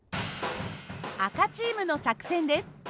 赤チームの作戦です。